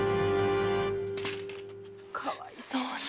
かわいそうに。